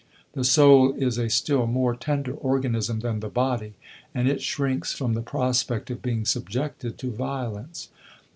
The soul is a still more tender organism than the body, and it shrinks from the prospect of being subjected to violence.